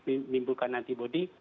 dan menimbulkan antibody